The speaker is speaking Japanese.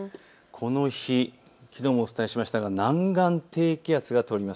この日、きのうもお伝えしましたが南岸低気圧が通ります。